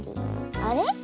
あれ？